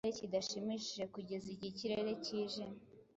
Ikirere kidashimishijekugeza igihe ikirere kijimye